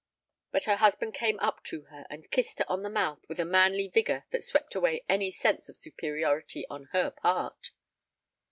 But her husband came up to her and kissed her on the mouth with a manly vigor that swept away any sense of superiority on her part.